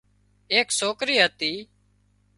ايڪ سوڪري هتي